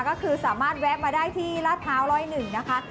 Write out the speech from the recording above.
ก็คือสามารถแวะมาได้ที่ลาดพร้าว๑๐๑นะคะ